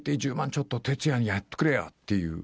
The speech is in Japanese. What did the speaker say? ちょっと鉄矢にやってくれよっていう。